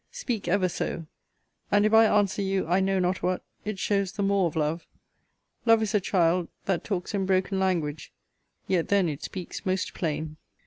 Speak ever so: and if I answer you I know not what, it shows the more of love. Love is a child that talks in broken language; Yet then it speaks most plain.